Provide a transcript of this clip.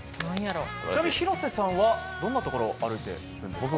ちなみに廣瀬さんはどんなところを歩いているんですか？